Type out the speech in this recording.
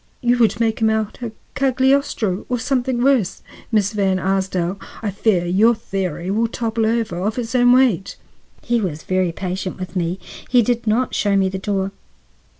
You would make him out a Cagliostro or something worse. Miss Van Arsdale, I fear your theory will topple over of its own weight." He was very patient with me; he did not show me the door.